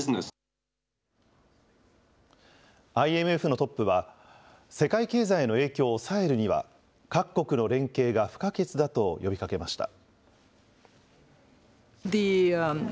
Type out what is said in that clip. ＩＭＦのトップは世界経済への影響を抑えるには各国の連携が不可欠だと呼びかけました。